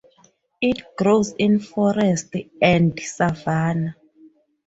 It grows in forests and savannah.